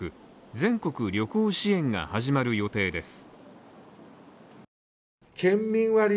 全国旅行支援が始まる予定です。